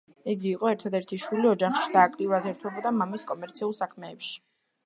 იგი იყო ერთადერთი შვილი ოჯახში და აქტიურად ერთვებოდა მამის კომერციულ საქმეებში.